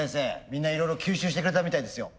みんないろいろ吸収してくれたみたいですよ。